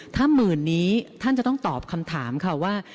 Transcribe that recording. ถ้าหมื่นนี้ท่านจะต้องตอบคำถามค่ะว่า